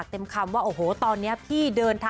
แต่มันเหมือนจริงนะ